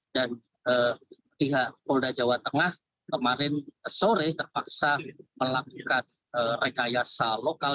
pihak polda jawa tengah kemarin sore terpaksa melakukan rekayasa lokal